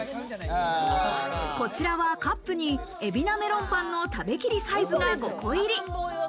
こちらはカップに海老名メロンパンの食べきりサイズが５個入り。